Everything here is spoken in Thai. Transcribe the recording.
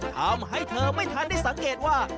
ทำให้เธอไม่ทันได้สังเกตว่า